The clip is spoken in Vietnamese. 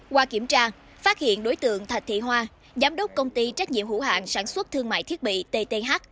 qua kiểm tra phát hiện đối tượng thạch thị hoa giám đốc công ty trách nhiệm hữu hạng sản xuất thương mại thiết bị tth